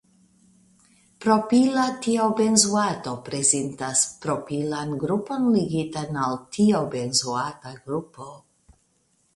Propila tiobenzoato prezentas propilan grupon ligitan al tiobenzoata grupo.